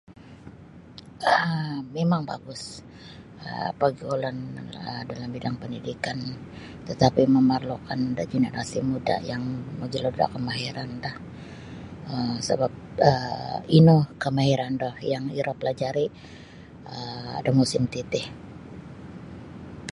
um Mimang bagus um pergaulan dalam bidang pendidikan tatapi memerlukan da jenerasi muda yang mogilo da kemahiran do um sebap ino kemahiran do yang iro pelajari um da musim titi.